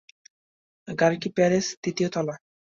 পার্কি garage, তৃতীয় তলা।